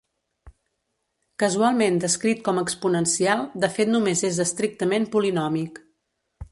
Casualment descrit com exponencial de fet només és estrictament polinòmic.